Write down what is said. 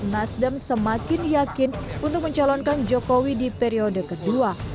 nasdem semakin yakin untuk mencalonkan jokowi di periode kedua